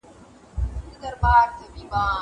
په دا غم كښي به راګیر سوو